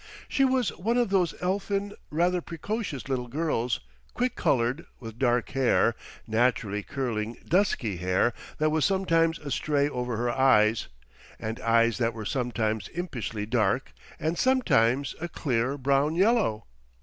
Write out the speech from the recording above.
She was one of those elfin, rather precocious little girls, quick coloured, with dark hair, naturally curling dusky hair that was sometimes astray over her eyes, and eyes that were sometimes impishly dark, and sometimes a clear brown yellow.